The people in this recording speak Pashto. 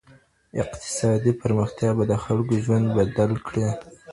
اقتصادي پرمختیا به د خلګو ژوند بدل کړي.